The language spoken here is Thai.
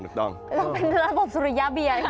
แล้วเป็นระบบสุริยะเบียร์อยู่